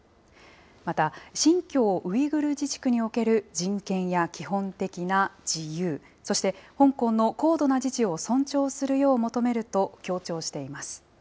また、新疆ウイグル自治区における人権や基本的な自由、そして香港の高度な自治を尊重するよう求めると強調しています。